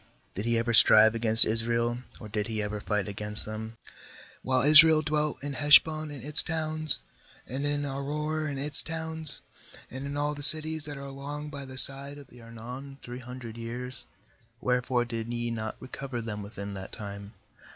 did he ever strive against Israel, or did he ever fight agair them? 26While Israel dwelt in Hesh bon and its towns, and in Aroer and its towns, and in all the cities that are along by the side of the Arnon, three hundred years; where fore did ye not recover them within that time?